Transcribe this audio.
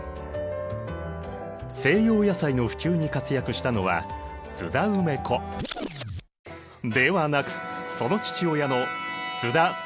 西洋野菜の普及に活躍したのは津田梅子ではなくその父親の津田仙だった。